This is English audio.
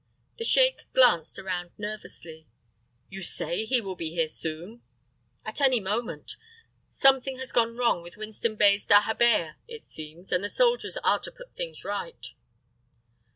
The sheik glanced around nervously. "You say he will be here soon?" "At any moment. Something has gone wrong with Winston Bey's dahabeah, it seems, and the soldiers are to put things right."